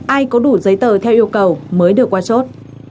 ai có đủ giấy tờ theo yêu cầu mới được qua chốt